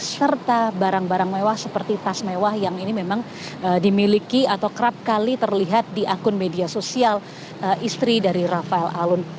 serta barang barang mewah seperti tas mewah yang ini memang dimiliki atau kerap kali terlihat di akun media sosial istri dari rafael alun